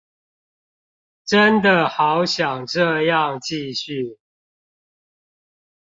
真的好想這樣繼續